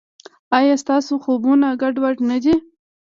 ایا ستاسو خوبونه ګډوډ نه دي؟